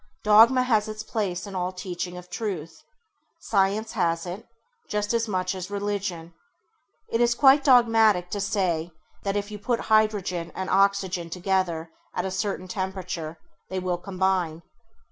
Dogma has its place in all teaching of truth. Science has it, just as much as religion. It is quite dogmatic to say that if you put hydrogen and oxygen together at a certain temperature they will combine.